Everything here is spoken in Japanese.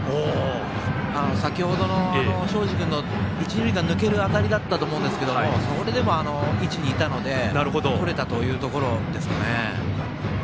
先ほどの東海林君の一、二塁間抜ける当たりだったと思うんですけどあの位置にいたのでとれたというところですね。